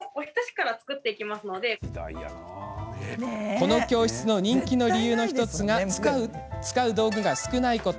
この教室の人気の理由の１つが使う道具が少ないこと。